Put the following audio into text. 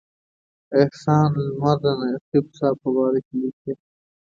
احسان لمر د نقیب صاحب په باره کې لیکي.